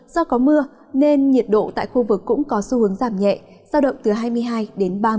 do có mưa nên nhiệt độ tại khu vực cũng có xu hướng giảm nhẹ sao động từ hai mươi hai đến ba mươi hai độ